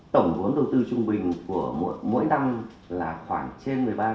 tổng vốn đầu tư trung bình của mỗi năm là khoảng trên một mươi ba tỷ đồng